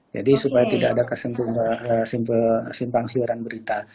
jadi supaya tidak ada kesimpang siuran berita